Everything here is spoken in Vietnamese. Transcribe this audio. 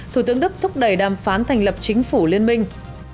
thủ tướng đức thúc đẩy đàm phán thành lập chính phủ liên minh